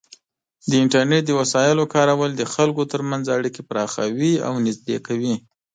د انټرنیټ د وسایلو کارول د خلکو ترمنځ اړیکې پراخوي او نږدې کوي.